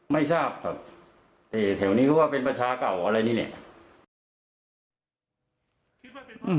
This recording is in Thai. ไม่ทราบครับแต่แถวนี้ก็ว่าเป็นประชาเก่าอะไรนี่เนี่ย